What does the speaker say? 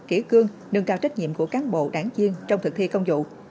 kỹ cương nâng cao trách nhiệm của cán bộ đảng viên trong thực thi công vụ